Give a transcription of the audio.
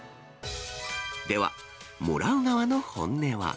では、もらう側の本音は。